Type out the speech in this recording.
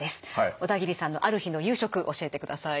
小田切さんのある日の夕食教えてください。